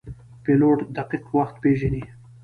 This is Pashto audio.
پیلوټ دقیق وخت پیژني.